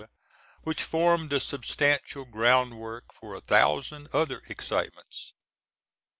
which formed the substantial groundwork for a thousand other excitements.